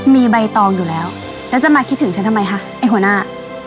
มีใบตองอยู่แล้วแล้วจะมาคิดถึงฉันทำไมคะไอ้หัวหน้า